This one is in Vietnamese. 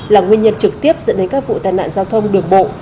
là nguyên nhân trực tiếp dẫn đến các vụ tai nạn giao thông đường bộ